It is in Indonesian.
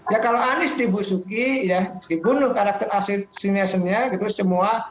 ya kalau anies dibusuki dibunuh karakter asinsinya terus semua